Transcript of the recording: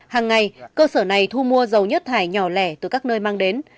hàng ngày cơ sở này thu mua dầu nhất thải nhỏ lẻ từ các nơi mang đến